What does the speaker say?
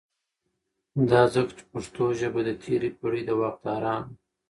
دا ځکه چې پښتو ژبه د تیری پیړۍ دواکدارانو